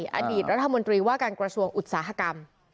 อดีตรัฐมนตรีว่าการกระทรวงอุตสาหกรรม